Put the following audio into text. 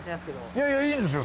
いやいやいいんですよ